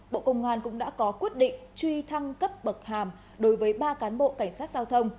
bộ công an cũng đã có quyết định truy thăng cấp bậc hàm đối với ba cán bộ cảnh sát giao thông